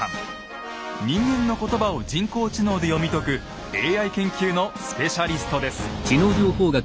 人間の言葉を人工知能で読み解くＡＩ研究のスペシャリストです。